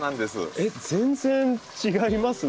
えっ全然違いますね。